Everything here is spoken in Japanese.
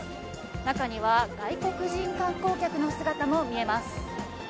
中には外国人観光客の姿も見えます。